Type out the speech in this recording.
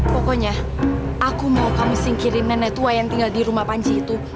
pokoknya aku mau kami singkirin nenek tua yang tinggal di rumah panci itu